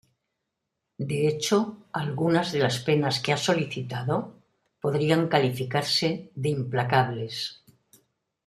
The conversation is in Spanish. De hecho, algunas de las penas que ha solicitado podrían calificarse de implacables.